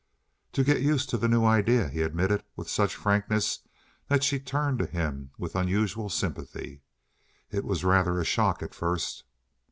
"To get used to the new idea," he admitted with such frankness that she turned to him with unusual sympathy. "It was rather a shock at first."